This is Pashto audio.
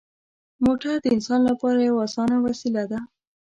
موټر د انسان لپاره یوه اسانه وسیله ده.